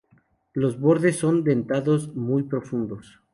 Los bordes son dentados muy profundos.